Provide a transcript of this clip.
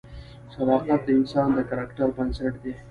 صداقت د انسان د کرکټر بنسټ دی.